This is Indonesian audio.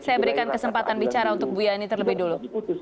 saya berikan kesempatan bicara untuk bu yani terlebih dulu